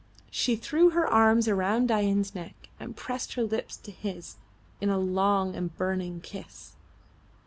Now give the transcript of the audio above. She threw her arms around Dain's neck and pressed her lips to his in a long and burning kiss.